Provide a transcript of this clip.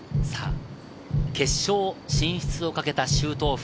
決勝進出をかけたシュートオフ。